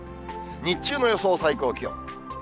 日中の予想最高気温。